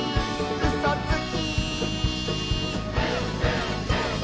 「うそつき！」